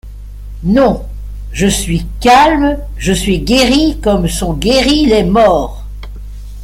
Non ! je suis calme, je suis guérie comme sont guéris les morts.